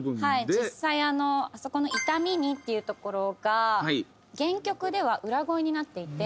実際あのあそこの「痛みに」っていう所が原曲では裏声になっていて。